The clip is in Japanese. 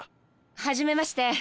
はじめまして。